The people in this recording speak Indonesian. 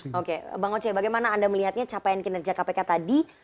oke bang oce bagaimana anda melihatnya capaian kinerja kpk tadi